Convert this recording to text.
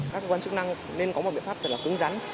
các cơ quan chức năng nên có một biện pháp cứng rắn